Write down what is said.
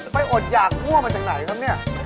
เผื่ออดอย่างง่วงไปจากไหนครับนี่